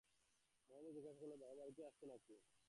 মহেন্দ্র জিজ্ঞাসা করিল, বাবু বাড়িতে আছেন না কি।